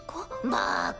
バカ。